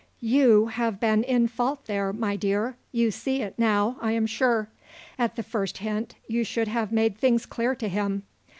You have been in fault there, my dear, you see it now, I am sure. At the first hint you should have made things clear to him.